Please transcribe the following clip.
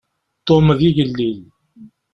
Tom d igellil.